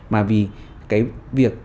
mà vì cái việc